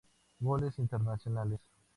Goles internacionales